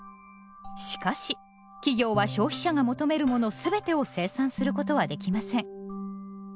しかし企業は消費者が求めるもの全てを生産することはできません。